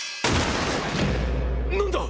何だ！？